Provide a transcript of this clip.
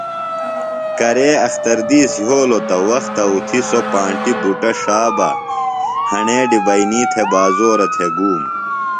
کرے اختر دِیس یھولوۡ تہ وختہ اُتھیۡ سوۡ پانٹیۡ بُٹہ ݜا بہ ہݨے ڈِبئینی تھےۡ بازورہ تھےۡ گُوم۔